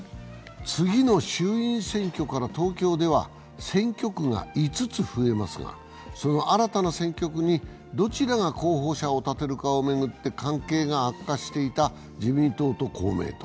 次の衆院選挙から東京では選挙区が５つ増えますが、その新たな選挙区にどちらが候補者を立てるかを巡って関係が悪化していた自民党と公明党。